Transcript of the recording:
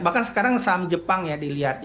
bahkan sekarang saham jepang ya dilihat